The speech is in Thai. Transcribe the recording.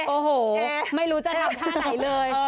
โอ้โหไม่รู้จะทำท่าไหนเลย